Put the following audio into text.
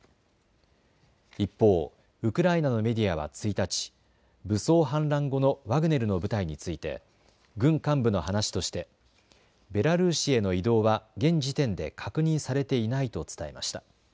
一方、ウクライナのメデイアは１日、武装反乱後のワグネルの部隊について軍幹部の話としてベラルーシへの移動は現時点で確認されていないと伝えました。